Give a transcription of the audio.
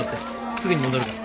すぐに戻るから。